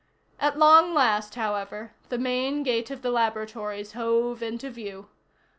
At long last, however, the main gate of the laboratories hove into view.